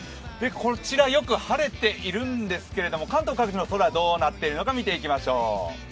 こちら、よく晴れているんですが、関東各地の空どうなっているのか見ていきましょう。